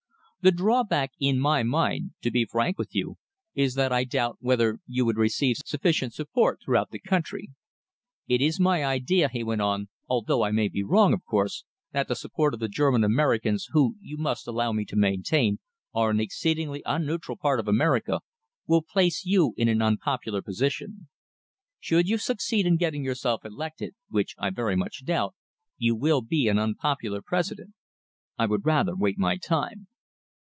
"The drawback in my mind, to be frank with you, is that I doubt whether you would receive sufficient support throughout the country. It is my idea," he went on, "although I may be wrong, of course, that the support of the German Americans who, you must allow me to maintain, are an exceedingly unneutral part of America, will place you in an unpopular position. Should you succeed in getting yourself elected, which I very much doubt, you will be an unpopular President. I would rather wait my time."